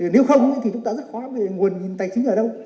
nếu không thì chúng ta rất khó về nguồn nhìn tài chính ở đâu